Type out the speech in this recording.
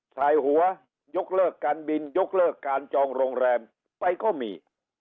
สายหัวยกเลิกการบินยกเลิกการจองโรงแรมไปก็มี